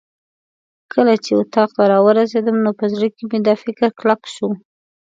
کله چې اتاق ته راورسېدم نو په زړه کې مې دا فکر کلک شو.